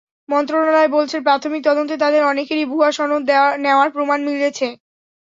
মন্ত্রণালয় বলছে, প্রাথমিক তদন্তে তাঁদের অনেকেরই ভুয়া সনদ নেওয়ার প্রমাণ মিলেছে।